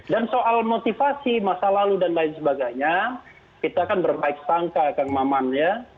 dan soal motivasi masa lalu dan lain sebagainya kita kan berbaik sangka kang maman ya